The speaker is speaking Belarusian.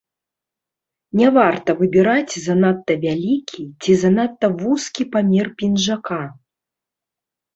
Не варта выбіраць занадта вялікі ці занадта вузкі памер пінжака.